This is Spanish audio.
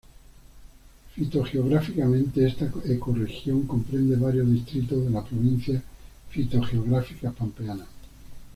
Fitogeográficamente, esta ecorregión comprende varios distritos de la provincia fitogeográfica pampeana.